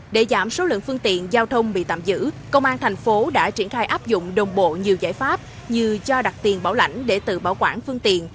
để giảm số lượng phương tiện giao thông bị tạm giữ công an thành phố đã triển khai áp dụng đồng bộ nhiều giải pháp như cho đặt tiền bảo lãnh để tự bảo quản phương tiện